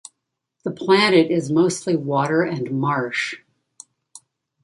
The planet is mostly water and marsh.